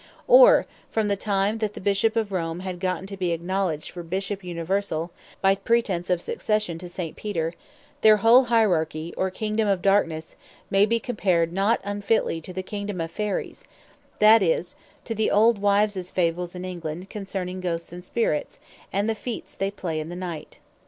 For, from the time that the Bishop of Rome had gotten to be acknowledged for Bishop Universall, by pretence of Succession to St. Peter, their whole Hierarchy, or Kingdome of Darknesse, may be compared not unfitly to the Kingdome of Fairies; that is, to the old wives Fables in England, concerning Ghosts and Spirits, and the feats they play in the night.